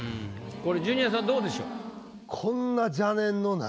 これジュニアさんどうでしょう？